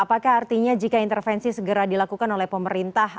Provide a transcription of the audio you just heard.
apakah artinya jika intervensi segera dilakukan oleh pemerintah